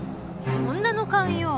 女の勘よ。